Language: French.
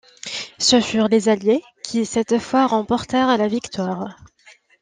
Ce furent les Alliés qui cette fois remportèrent la victoire.